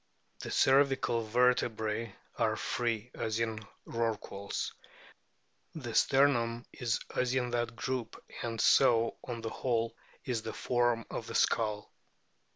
The cervical vertebrae are free, as in Rorquals ; the sternum is as in that group ; and so on the whole is the form of the skull.